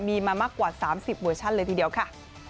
มีมามากกว่า๓๐เวอร์ชั่นเลยทีเดียวค่ะ